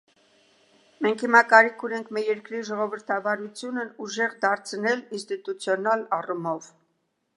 Մենք հիմա կարիք ունենք մեր երկրի ժողովրդավարությունն ուժեղ դարձնել ինստիտուցիոնալ առումով։